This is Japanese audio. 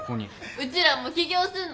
うちらも起業すんの。